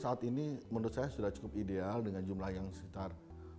saat ini menurut saya sudah cukup ideal dengan jumlah yang sekitar tujuh puluh enam